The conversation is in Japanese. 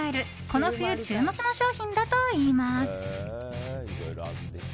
この冬、注目の商品だといいます。